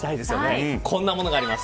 こんなものがあります